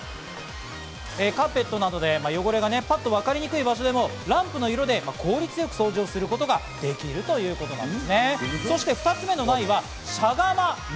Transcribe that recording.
カーペットなどで汚れがパッとわかりにくい場所でも、ランプの色で効率よく掃除することができるということなんですね。